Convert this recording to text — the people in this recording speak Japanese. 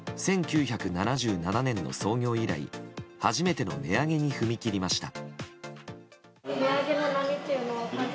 １９７７年の創業以来初めての値上げに踏み切りました。